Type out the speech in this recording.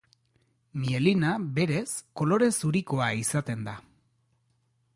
Mielina, berez, kolore zurikoa izaten da.